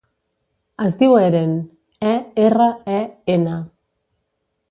Es diu Eren: e, erra, e, ena.